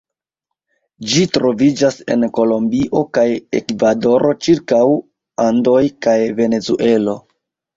Ĝi troviĝas en Kolombio kaj Ekvadoro ĉirkaŭ Andoj kaj Venezuelo.